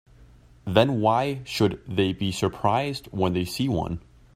Then why should they be surprised when they see one?